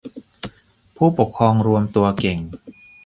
ผู้ปกครองรวมตัวเก่ง